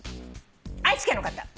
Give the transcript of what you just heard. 愛知県の方。